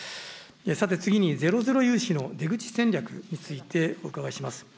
さて次にゼロゼロ融資の出口戦略についてお伺いします。